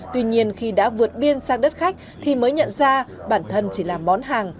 tuy nhiên khi đã vượt biên sang đất khách thì mới nhận ra bản thân chỉ là món hàng